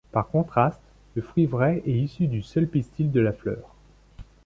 Par contraste, le fruit vrai est issu du seul pistil de la fleur.